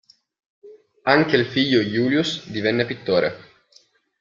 Anche il figlio Julius divenne pittore.